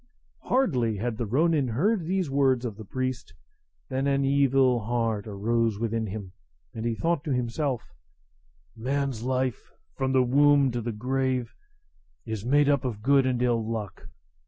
Hardly had the ronin heard these words of the priest than an evil heart arose within him, and he thought to himself, "Man's life, from the womb to the grave, is made up of good and of ill luck.